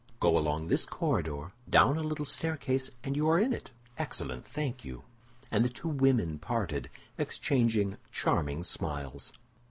"Go along this corridor, down a little staircase, and you are in it." "Excellent; thank you!" And the two women parted, exchanging charming smiles.